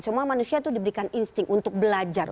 semua manusia itu diberikan insting untuk belajar